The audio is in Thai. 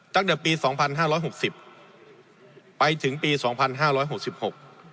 ตั้งแต่ปีสองพันห้าร้อยหกสิบไปถึงปีสองพันห้าร้อยหกสิบหก